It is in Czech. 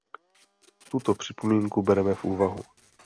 Tuto připomínku bereme v úvahu.